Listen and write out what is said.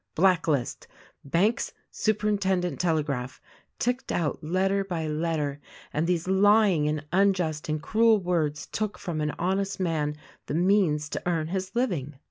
Blacklist. Banks, Supt. Telegraph," ticked out letter by letter; and these lying and unjust and cruel words took from an honest man the means to earn his living.